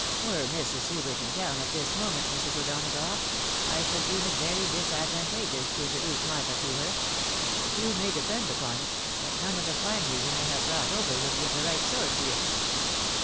Were Mrs. Hubert in town at this moment, Mrs. O'Donagough, I should deem it very disadvan tageous to introduce Martha to her. You may depend uponjt, that none of the finery you may have brought over will be of the right sort here." 78 THE WIDOW MAKKIED.